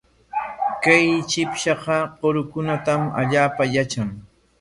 Kay chipshaqa kurukunatam allaapa yatran.